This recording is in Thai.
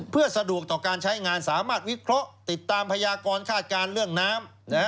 เพื่อสะดวกต่อการใช้งานสามารถวิเคราะห์ติดตามพยากรคาดการณ์เรื่องน้ำ